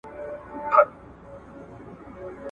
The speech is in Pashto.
نه په بګړۍ نه په تسپو نه په وینا سمېږي ..